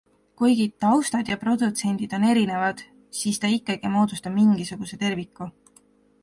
Kuigi taustad ja produtsendid on erinevad, siis ta ikkagi moodustab mingisuguse terviku.